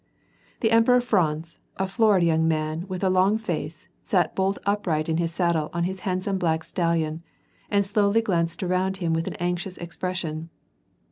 The Emperor Franz, a florid young man, with a long face, sat bolt upright in his saddle on his handsome black stallion, and slowly glanced around him with an anxious expres sion.